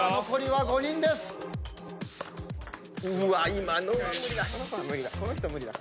今のは無理だ。